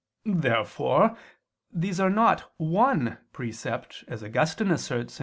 Therefore these are not one precept, as Augustine asserts (Qq.